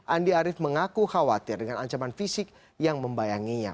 andi arief mengaku khawatir dengan ancaman fisik yang membayanginya